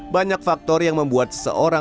banyak faktor yang membuat seseorang